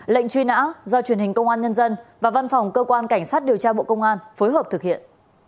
lệnh truy nã do truyền hình công an nhân dân và văn phòng cơ quan cảnh sát điều tra bộ công an phối hợp thực hiện